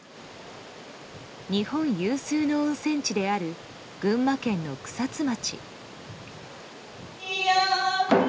日本有数の温泉地である群馬県の草津町。